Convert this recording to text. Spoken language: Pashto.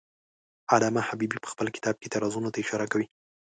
علامه حبیبي په خپل کتاب کې اعتراضونو ته اشاره کوي.